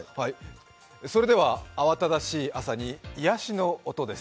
それでは慌ただしい朝に癒やしの音です。